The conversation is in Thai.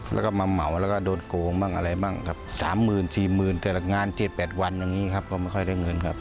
แล้วก็มาเหมาแล้วก็โดนโกงบ้างอะไรบ้างครับ๓๔๐๐๐แต่ละงาน๗๘วันอย่างนี้ครับก็ไม่ค่อยได้เงินครับ